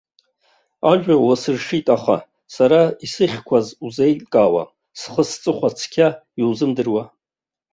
Ажәа уасыршьит, аха сара исыхьқәаз узеилкаауам, схы-сҵыхәа цқьа иузымдыруа.